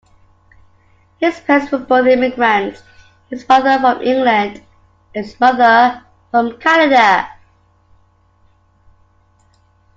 His parents were both immigrants, his father from England and his mother from Canada.